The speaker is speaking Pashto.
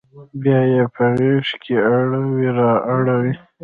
بیا یې په غیږ کې اړوي را اوړي